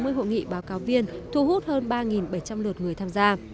các hội nghị báo cáo viên thu hút hơn ba bảy trăm linh lượt người tham gia